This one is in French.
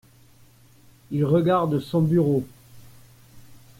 Il regarde son bureau.